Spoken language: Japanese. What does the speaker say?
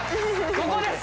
ここです！